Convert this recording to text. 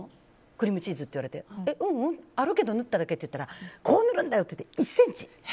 クリームチーズって言われてううん、あるけど塗っただけって言ったらこう塗るんだろうって１ｃｍ。